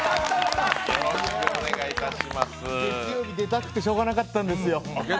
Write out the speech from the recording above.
月曜日、出たくてしょうがなかったんですよ。